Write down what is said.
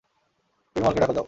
পেরুমলকে ডাকো যাও।